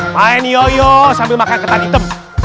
main yoyo sambil makan ketan hitam